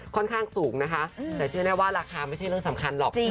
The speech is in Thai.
ค่อนข้างสูงนะคะแต่เชื่อแน่ว่าราคาไม่ใช่เรื่องสำคัญหรอก